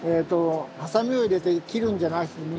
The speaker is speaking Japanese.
ハサミを入れて切るんじゃなしに。